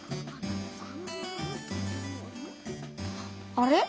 あれ？